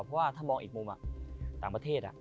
เพราะว่าถ้ามองอีกมุมต่างประเทศ